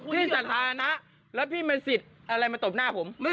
สถานะแล้วพี่มีสิทธิ์อะไรมาตบหน้าผม